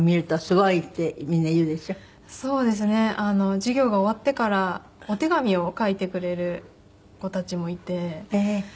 授業が終わってからお手紙を書いてくれる子たちもいて。